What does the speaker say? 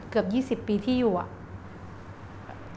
เกือบ๒๐ปีที่อยู่อ่ะ